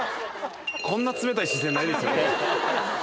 こんな冷たい視線ないですよ